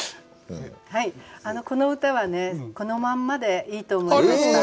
この歌はこのまんまでいいと思いました。